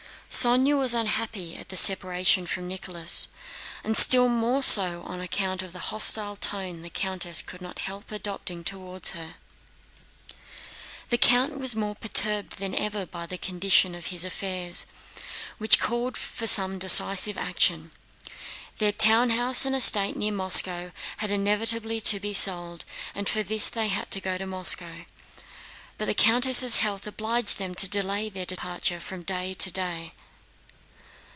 Sónya was unhappy at the separation from Nicholas and still more so on account of the hostile tone the countess could not help adopting toward her. The count was more perturbed than ever by the condition of his affairs, which called for some decisive action. Their town house and estate near Moscow had inevitably to be sold, and for this they had to go to Moscow. But the countess' health obliged them to delay their departure from day to day.